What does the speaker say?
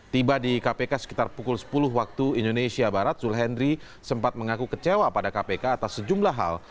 tiba di kpk sekitar pukul sepuluh waktu indonesia barat zul hendri sempat mengaku kecewa pada kpk atas sejumlah hal